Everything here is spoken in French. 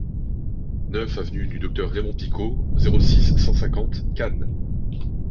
neuf avenue du Docteur Raymond Picaud, zéro six, cent cinquante, Cannes